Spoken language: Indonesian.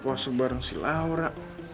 bukan kepuasa bareng si laura